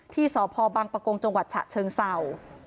ที่สพบังปะโกงจังหวัดฉะเชิงเศร้า